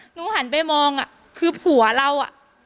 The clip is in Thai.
หนูหันไปมองอ่ะคือผัวเราอ่ะ